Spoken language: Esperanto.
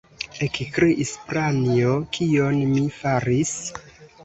ekkriis Pranjo: kion mi faris?